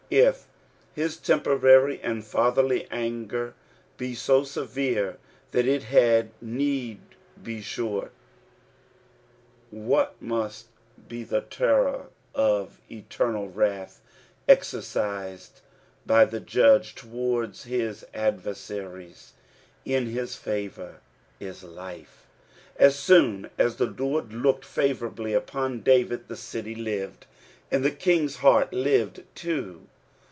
If his temporary and fatherly anger be so severe that it had need be short, what must be the turror of eternal wrath exercised by the Judge towards his adver •sriesT '^ In hi* favour VI life." As soon as the Lord looked favourably upon David, the city lived, and the kind's heart lived too.